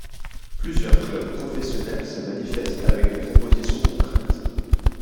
Plusieurs clubs professionnels se manifestent avec des propositions concrètes.